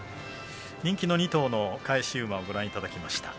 人気の２頭の返し馬をご覧いただきました。